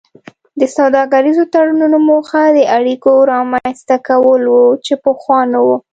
د سوداګریزو تړونونو موخه د اړیکو رامینځته کول وو چې پخوا نه وو